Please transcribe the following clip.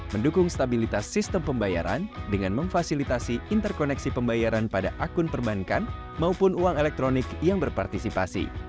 mendukung stabilitas sistem pembayaran dengan memfasilitasi interkoneksi pembayaran pada akun perbankan maupun uang elektronik yang berpartisipasi